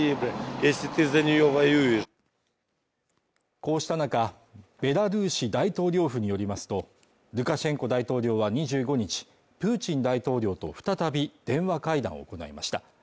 こうした中、ベラルーシ大統領府によりますとルカシェンコ大統領は２５日、プーチン大統領と再び電話会談を行いました。